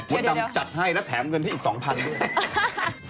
ดำจัดให้และแถมเงินที่อีก๒๐๐ด้วย